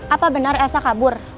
apa benar elsa kabur